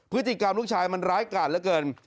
พฤติกรรมลูกชายมันร้ายกาดเหลือเกิน